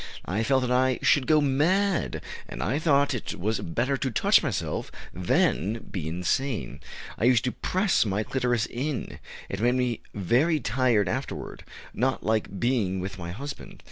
I felt that I should go mad, and I thought it was better to touch myself than be insane.... I used to press my clitoris in.... It made me very tired afterward not like being with my husband."